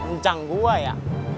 ncang gue ya